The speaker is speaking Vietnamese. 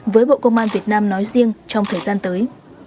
với bộ công an việt nam nói riêng trong thời gian tới